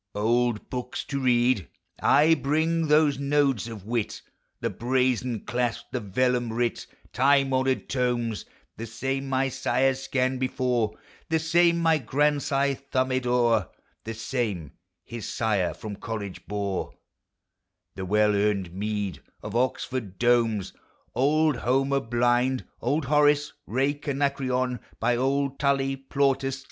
Old books to read!— Ay, bring those nodes of wit, The brazen clasped, the vellum writ. Time honored tomes ! The same my sire scanned before, The same my grandsire thumbed o'er, The same his sire from college bore, The well earned meed Of Oxford's domes; Old ITonipr blind, Old Horace, rake Anacreon, by Old Tully, Plautus.